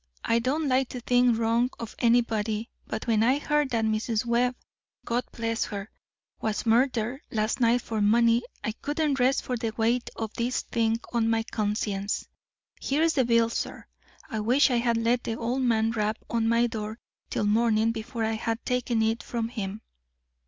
I don't like to think wrong of anybody, but when I heard that Mrs. Webb (God bless her!) was murdered last night for money, I couldn't rest for the weight of this thing on my conscience. Here's the bill, sir. I wish I had let the old man rap on my door till morning before I had taken it from him."